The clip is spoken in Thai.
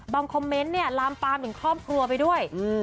คอมเมนต์เนี่ยลามปามถึงครอบครัวไปด้วย